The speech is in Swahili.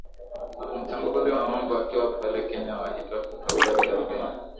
mchambuzi wa mambo akiwa pale kenya wahito habari ya leo